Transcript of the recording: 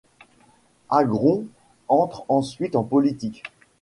Agron entre ensuite en politique.